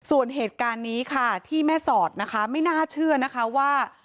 ส่วนเหตุการณ์นี้ค่ะที่แม่สอดนะคะไม่น่าเชื่อนะคะว่า